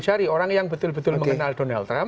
cari orang yang betul betul mengenal donald trump